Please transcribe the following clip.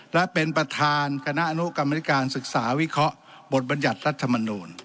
และเป็นประธานคณะอนุกรรมนิการศึกษาวิเคราะห์บทบรรยัติรัฐมนูล